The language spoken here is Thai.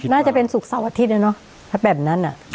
น่าจะเป็นศุกร์เสาร์อาทิตย์นะเนอะถ้าแบบนั้นอ่ะ